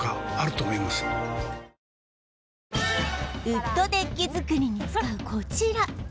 ウッドデッキ作りに使うこちら